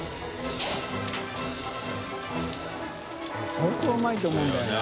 相当うまいと思うんだよな。